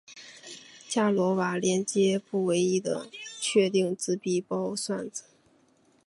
伽罗瓦连接不唯一的确定自闭包算子。